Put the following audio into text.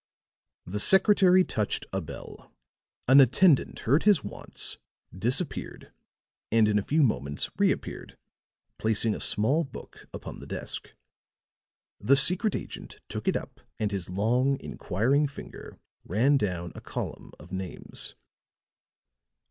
The secretary touched a bell; an attendant heard his wants, disappeared, and in a few moments reappeared, placing a small book upon the desk. The secret agent took it up, and his long, inquiring finger ran down a column of names.